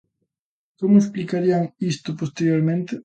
¿Como explicarían isto posteriormente?